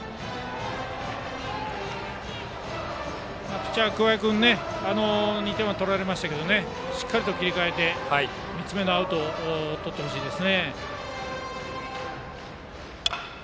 ピッチャーの桑江君２点は取られましたがしっかりと切り替えて３つ目のアウトとってほしいです。